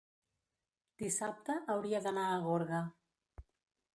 Dissabte hauria d'anar a Gorga.